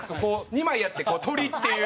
２枚やってこう「鳥」っていう。